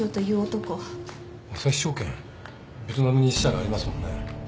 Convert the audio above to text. ベトナムに支社がありますもんね。